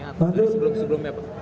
atau dari sebelum sebelumnya